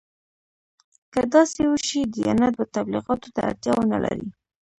که داسې وشي دیانت به تبلیغاتو ته اړتیا ونه لري.